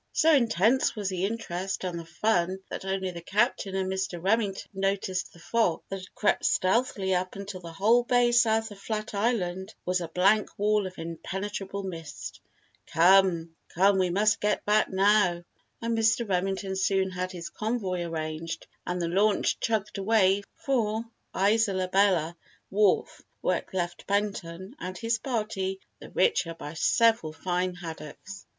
So intense was the interest and the fun that only the Captain and Mr. Remington noticed the fog that had crept stealthily up until the whole bay south of Flat Island was a blank wall of impenetrable mist. "Come, come we must get back now!" And Mr. Remington soon had his convoy arranged and the launch chugged away for Isola Bella wharf where it left Benton and his party the richer by several fine haddocks.